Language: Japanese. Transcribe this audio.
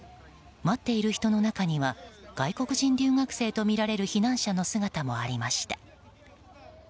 待っている人の中には外国人留学生とみられる避難者の姿もありました。